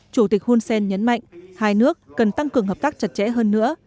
chủ tịch hunsen nhấn mạnh hai nước cần tăng cường hợp tác chặt chẽ hơn nữa